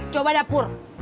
coba dah pur